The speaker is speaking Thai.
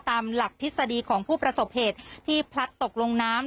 ตามหลักทฤษฎีของผู้ประสบเหตุที่พลัดตกลงน้ำ